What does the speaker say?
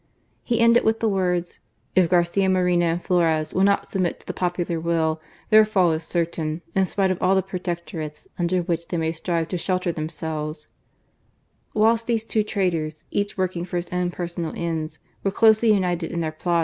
He ended with the words :" If Garcia Moreno and Flores will not submit to the popular will, their fall is certain, in spite of all the protectorates under which they may strive to shelter themselves," Whilst these two traitors, each working for his own personal ends, were closely united in their plot 134 GARCIA MORENO.